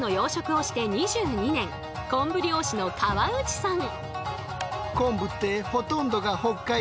昆布漁師の河内さん。